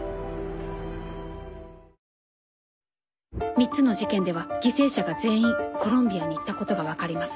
３つの事件では犠牲者が全員コロンビアに行ったことが分かります。